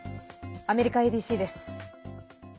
アメリカＡＢＣです。